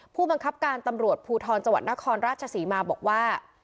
ผู้บังคับการตำรวจภูทรจังหวัดนครราชศรีมาบอกว่า